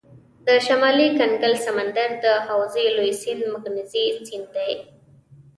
د شمالي کنګل سمندر د حوزې لوی سیند مکنزي سیند دی.